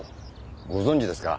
ご存じですか？